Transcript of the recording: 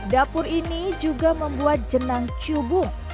dapur ini juga membuat jenang cubung